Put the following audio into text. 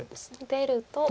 出ると。